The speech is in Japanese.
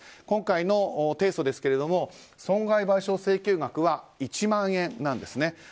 今回の提訴ですけども損賠請求額は１万円なんですね。